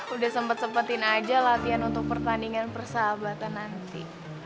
udah sempet sempetin aja latihan untuk pertandingan persahabatan nanti